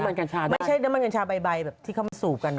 ไม่ใช่น้ำมันกัญชาใบที่เขาสูบกัน